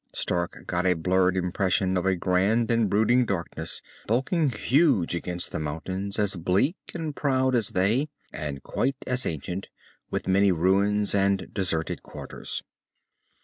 Stark got a blurred impression of a grand and brooding darkness, bulking huge against the mountains, as bleak and proud as they, and quite as ancient, with many ruins and deserted quarters.